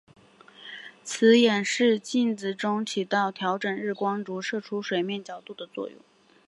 此演示实验中镜子起到调整日光出射水面角度的作用。